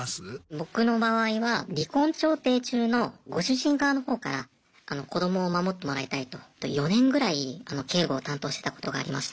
僕の場合は離婚調停中のご主人側のほうから子どもを守ってもらいたいと４年ぐらい警護を担当してたことがありました。